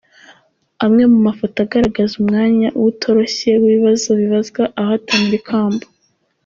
Amwe mu mafoto agaragaza umwanya uba utoroshye w'ibibazo bibazwa abahatanira ikamba:.